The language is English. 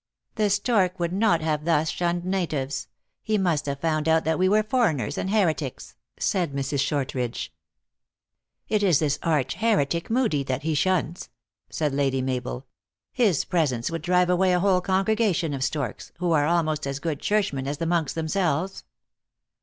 " The stork would not thus have shunned natives. He must have found out that we are foreigners and O heretics," said Mrs. Shortridge. "It is this arch heretic, Moodie, that he shuns," said Lady Mabel. " His presence would drive away a whole congregation of storks, who are almost as good churchmen as the monks themselves."